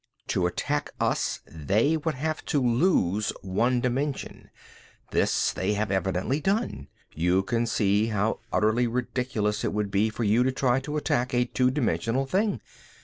"To attack us they would have to lose one dimension. This they have evidently done. You can see how utterly ridiculous it would be for you to try to attack a two dimensional thing.